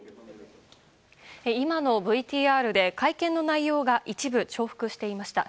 今のＶＴＲで会見の内容が一部重複していました。